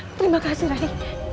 terima kasih rai